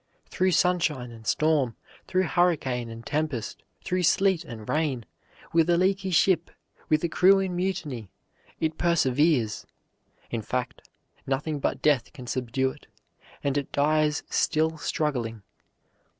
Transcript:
Through sunshine and storm, through hurricane and tempest, through sleet and rain, with a leaky ship, with a crew in mutiny, it perseveres; in fact, nothing but death can subdue it, and it dies still struggling.